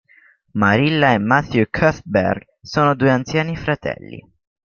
Marilla e Matthew Cuthbert sono due anziani fratelli.